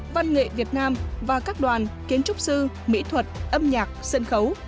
văn nghệ việt nam và các đoàn kiến trúc sư mỹ thuật âm nhạc sân khấu